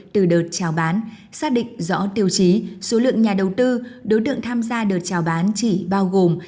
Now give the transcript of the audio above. từ đợt trao bán xác định rõ tiêu chí số lượng nhà đầu tư đối tượng tham gia đợt trao bán chỉ bao gồm